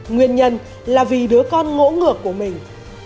nguyên nhân là vì đứa con ngỗ ngược của mình